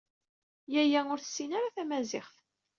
Yaya ur tessin ara tamaziɣt.